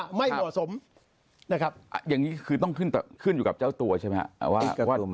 ไม่เหมาะสมนะครับอย่างนี้คือต้องขึ้นอยู่กับเจ้าตัวใช่ไหมครับ